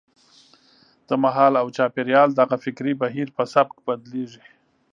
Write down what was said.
د مهال او چاپېریال دغه فکري بهیر په سبک بدلېږي.